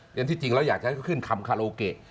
อย่างที่จริงเราอยากจะให้ขึ้นคำคารโลเกะ